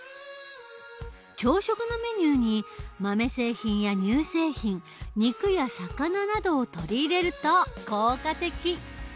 朝食のメニューに豆製品や乳製品肉や魚などを取り入れると効果的。